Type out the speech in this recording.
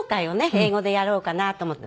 英語でやろうかなと思って。